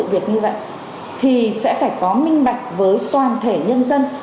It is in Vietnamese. việc như vậy thì sẽ phải có minh bạch với toàn thể nhân dân